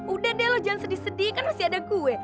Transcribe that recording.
udah deh lo jangan sedih sedih kan masih ada kue